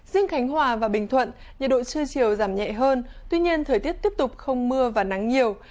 riêng khánh hòa và bình thuận nhiệt độ trưa chiều giảm nhẹ hơn tuy nhiên thời tiết tiếp tục không mưa và nắng nhiều